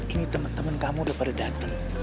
ini temen temen kamu udah pada datang